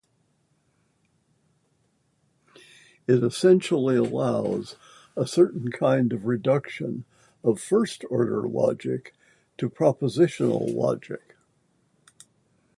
It essentially allows a certain kind of reduction of first-order logic to propositional logic.